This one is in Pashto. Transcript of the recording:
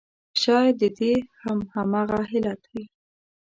شاید د دې هم همغه علت وي.